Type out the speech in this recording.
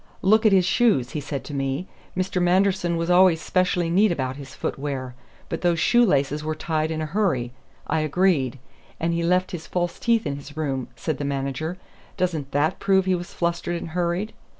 'Look at his shoes,' he said to me: 'Mr. Manderson was always specially neat about his foot wear. But those shoe laces were tied in a hurry.' I agreed. 'And he left his false teeth in his room,' said the manager. 'Doesn't that prove he was flustered and hurried?'